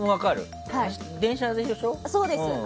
そうです。